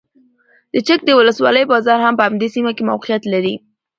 د چک د ولسوالۍ بازار هم په همدې سیمه کې موقعیت لري.